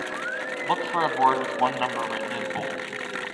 Look for a board with one number written in bold.